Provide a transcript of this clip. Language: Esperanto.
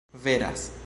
veras